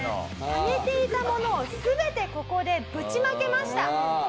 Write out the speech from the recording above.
ためていたものを全てここでぶちまけました。